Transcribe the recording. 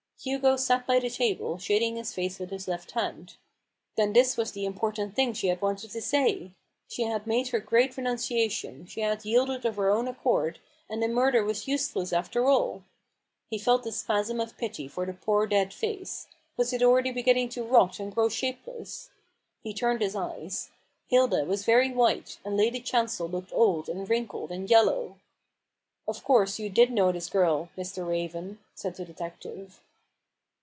Hugo sat by the table, shading his face with his left hand. Then this was the impor HUGO raven's hand. i8i tant thing she had wanted to say ! She had made her great renunciation, she had yielded of her own accord, and the murder was use less, after all I He felt a spasm of pity for the poor dead face ; was it already beginning to rot and grow shapeless ? He turned his eyes. Hilda was very white, and Lady Chancel looked old, and wrinkled, and yellow. " Of course you did know this girl, Mr. Raven," said the detective.